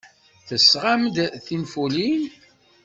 Tesɣamt-d tinfulin?